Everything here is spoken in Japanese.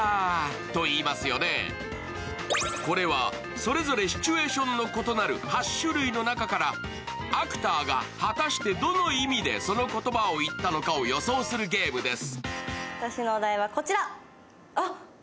それぞれシチュエーションの異なる８種類の「はぁ」からアクターが果たしてどの意味でその言葉を言ったのかを予想するゲームです。